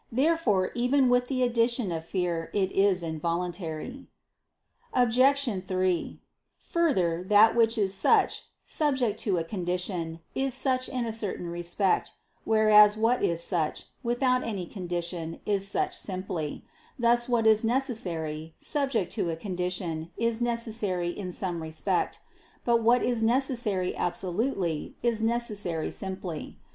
Therefore, even with the addition of fear, it is involuntary. Obj. 3: Further, that which is such, subject to a condition, is such in a certain respect; whereas what is such, without any condition, is such simply: thus what is necessary, subject to a condition, is necessary in some respect: but what is necessary absolutely, is necessary simply.